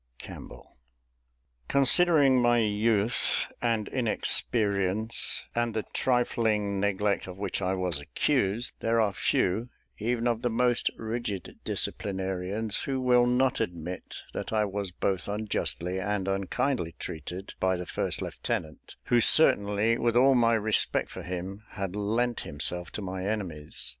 CAMPBELL. Considering my youth and inexperience, and the trifling neglect of which I was accused, there are few, even of the most rigid disciplinarians, who will not admit that I was both unjustly and unkindly treated by the first lieutenant, who certainly, with all my respect for him, had lent himself to my enemies.